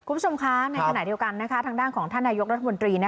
คุณผู้ชมคะในขณะเดียวกันทางด้านของท่านนายกรัฐมนตรี